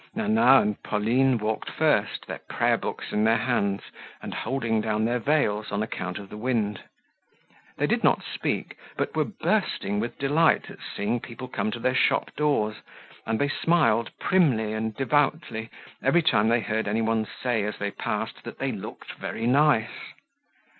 Nana and Pauline walked first, their prayer books in their hands and holding down their veils on account of the wind; they did not speak but were bursting with delight at seeing people come to their shop doors, and they smiled primly and devoutly every time they heard anyone say as they passed that they looked very nice.